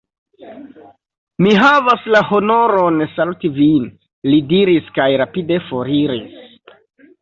Mi havas la honoron saluti vin, li diris kaj rapide foriris.